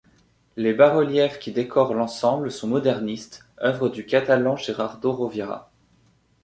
Les bas-reliefs qui décorent l'ensemble sont modernistes, œuvre du catalan Gerardo Rovira.